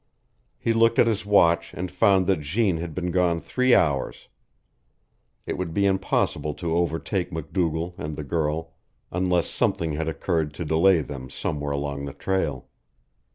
He looked at his watch and found that Jeanne had been gone three hours. It would be impossible to overtake MacDougall and the girl unless something had occurred to delay them somewhere along the trail.